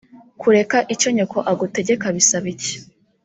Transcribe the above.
kureka icyo nyoko agutegeka bisaba iki